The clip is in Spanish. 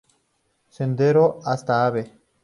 Sendero hasta Av.